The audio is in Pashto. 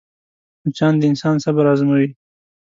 مچان د انسان صبر ازموي